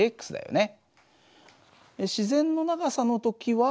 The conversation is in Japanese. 自然の長さの時は。